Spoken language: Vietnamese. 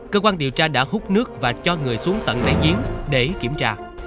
cơ quan điều tra đã hút nước và cho người xuống tận đáy giếng để kiểm tra